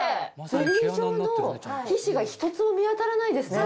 ゼリー状の皮脂が一つも見当たらないですね。